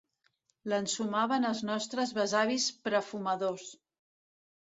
L'ensumaven els nostres besavis prefumadors.